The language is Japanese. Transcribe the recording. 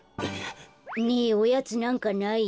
ねえおやつなんかない？